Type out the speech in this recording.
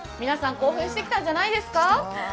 興奮してきたんじゃないですか。